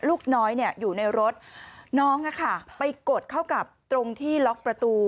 ลูกน้อยอยู่ในรถน้องไปกดเข้ากับตรงที่ล็อกประตู